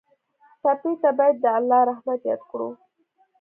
ټپي ته باید د الله رحمت یاد کړو.